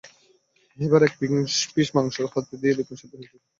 এবার এক পিস মংস হাতে নিয়ে দেখুন সেদ্ধ হয়েছে কি না।